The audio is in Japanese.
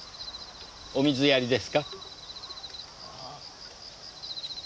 お水やりですか？